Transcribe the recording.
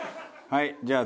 はい。